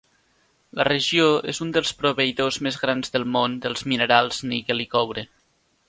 La regió és un dels proveïdors més grans del món dels minerals níquel i coure.